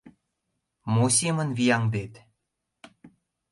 Мо семын вияҥдет?